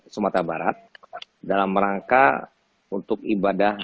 sumatera barat dalam rangka untuk ibadah